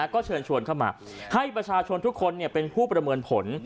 ก็เชิญชวนเข้ามาให้ประชาชนทุกคนเป็นผู้ประเมินผล